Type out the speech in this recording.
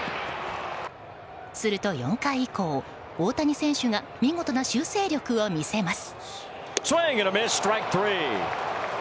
すると、４回以降大谷選手が見事な修正力を見せます。